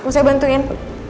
mau saya bantuin